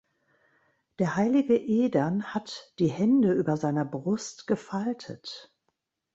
Der heilige Edern hat die Hände über seiner Brust gefaltet.